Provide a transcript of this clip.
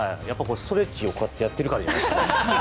ストレッチをこうやってやってるからですかね。